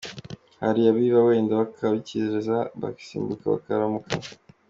Hari abiba wenda bakabizira, babisimbuka bakaramuka.